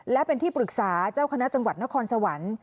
และเป็นที่ปรึกษาเจ้าคณะจังหวัดนครสวรรค์